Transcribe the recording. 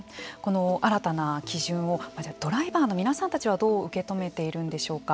新たな基準をドライバーの皆さんたちはどう受け取っているんでしょうか。